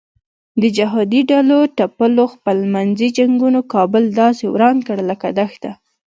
د جهادي ډلو ټپلو خپل منځي جنګونو کابل داسې وران کړ لکه دښته.